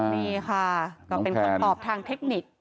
นี่ค่ะก็เป็นคำตอบทางเทคนิค